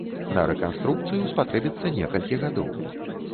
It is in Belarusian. На рэканструкцыю спатрэбіцца некалькі гадоў.